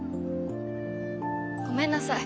ごめんなさい。